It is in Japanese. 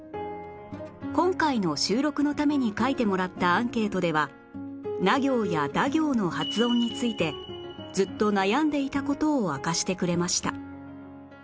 今回の収録のために書いてもらったアンケートではナ行やダ行の発音についてずっと悩んでいた事を明かしてくれました